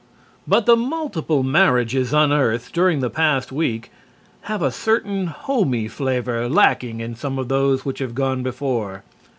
But the multiple marriages unearthed during the past week have a certain homey flavor lacking in some of those which have gone before.